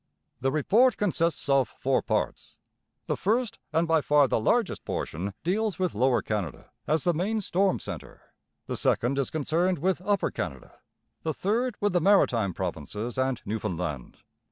The Report consists of four parts. The first, and by far the largest, portion deals with Lower Canada, as the main storm centre. The second is concerned with Upper Canada; the third, with the Maritime Provinces and Newfoundland.